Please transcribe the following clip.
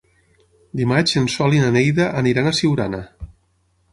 Dimarts en Sol i na Neida aniran a Siurana.